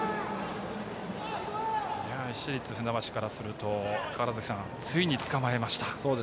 市立船橋からするとついにつかまえました。